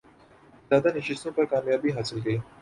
زیادہ نشستوں پر کامیابی حاصل کی